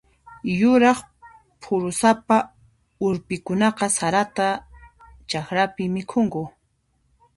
Yuraq phurusapa urpikunaqa sarata chakrapi mikhunku.